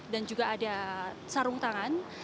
dan juga ada sarung tangan